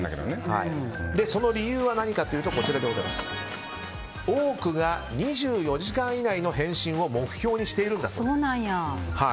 その理由は何かというと多くが２４時間以内の返信を目標にしているんだそうです。